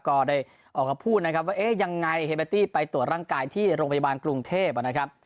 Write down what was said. ก็ได้ออกมาพูดนะครับว่าเอ๊ะยังไงเฮเบตตี้ไปตรวจร่างกายที่โรงพยาบาลกรุงเทพนะครับ